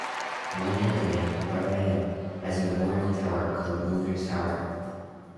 One headland, Bradda Head, has a memorial tower called Milner's Tower.